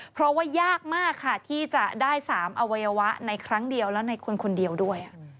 เพราะว่ายากมากค่ะที่จะได้๓อวัยวะในครั้งเดียวและในคนคนเดียวด้วย